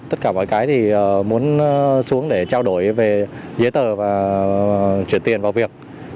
tất cả mọi cái thì muốn xuống để trao đổi về giấy tờ và chuyển tiền vào việc